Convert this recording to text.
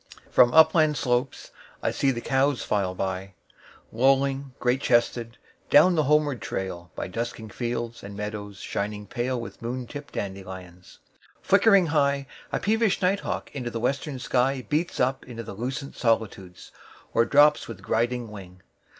1From upland slopes I see the cows file by,2Lowing, great chested, down the homeward trail,3By dusking fields and meadows shining pale4With moon tipped dandelions. Flickering high,5A peevish night hawk in the western sky6Beats up into the lucent solitudes,7Or drops with griding wing.